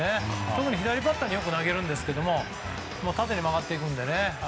よく左バッターに投げるんですが縦に曲がっていくのでね。